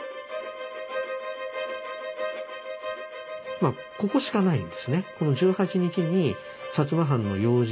まあここしかないんですね。